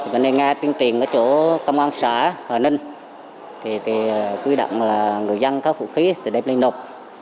bên đây nghe tuyên truyền ở chỗ công an xã hòa ninh quy định người dân có vũ khí để đem lên nộp